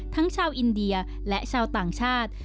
ชาวอินเดียและชาวต่างชาติ